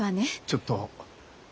ちょっと。